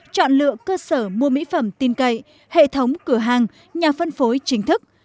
chọn lựa cơ sở mua mỹ phẩm tin cậy hệ thống cửa hàng nhà phân phối chính thức